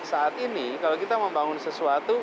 saat ini kalau kita membangun sesuatu